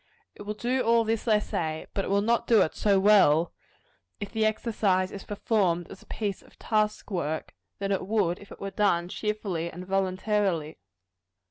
It will do all this, I say; but it will not do it so well, if the exercise is performed as a piece of task work, as it would if it were done cheerfully and voluntarily.